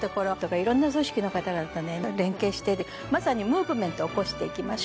いろんな組織の方々連携してまさにムーブメントを起こしていきましょうという。